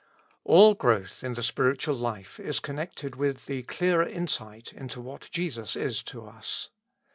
ALL growth in the spiritual Hfe is connected with the clearer insight into what Jesus is to us.